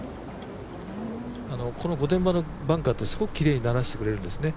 この御殿場のバンカーってすごくきれいにならしてくれるんですね。